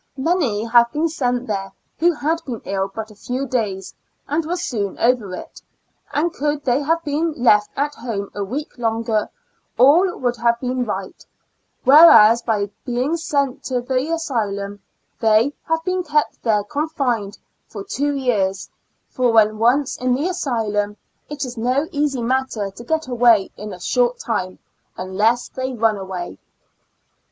Many have been sent there who had been ill but a few days, and were soon over it, and could they have been left at home a week longer, all would have been right ; whereas, by being sent to the asylum, they have been kept there confined for two years — for when once in the asylum, 34 ^^0 Years and Four Months it is no easy matter to get away in a short time, unless they rmi away.